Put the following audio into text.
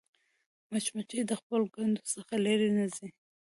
مچمچۍ د خپل کندو څخه لیرې نه ځي